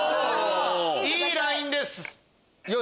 いいラインです。